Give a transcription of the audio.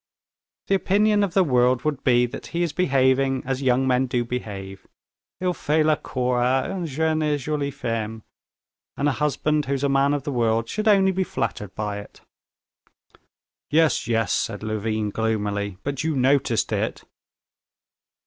"The opinion of the world would be that he is behaving as young men do behave. Il fait la cour à une jeune et jolie femme, and a husband who's a man of the world should only be flattered by it." "Yes, yes," said Levin gloomily; "but you noticed it?"